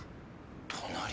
隣？